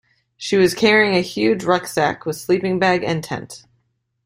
She was carrying a huge rucksack, with sleeping bag and tent